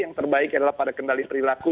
yang terbaik adalah pada kendali perilaku